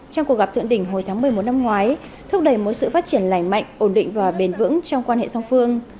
trong cuộc gặp thượng đỉnh hồi tháng một mươi một năm ngoái thúc đẩy mối sự phát triển lành mạnh ổn định và bền vững trong quan hệ song phương